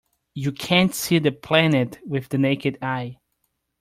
You can't see the planet with the naked eye.